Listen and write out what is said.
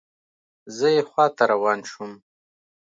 زه یې خواته روان شوم.